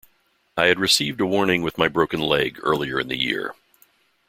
I had received a warning with my broken leg earlier in the year.